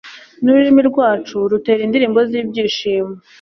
n’ururimi rwacu rutera indirimbo z’ibyishimo